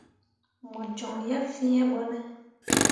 Mo joŋ yeb fee ɓone ?